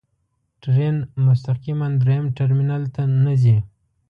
ټرین مستقیماً درېیم ټرمینل ته نه ځي.